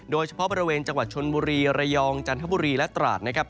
โดยเฉพาะบริเวณจังหวัดชนบุรีระยองจันทบุรีและตราดนะครับ